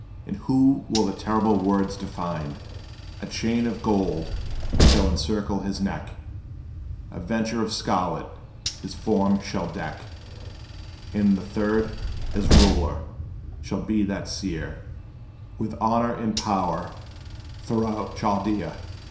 And who will the terrible words define? A chain of gold shall encircle his neck A vesture of scarlet his form shall deck And the third, as ruler, shall be that seer, With honor and power throughout Chaldea!"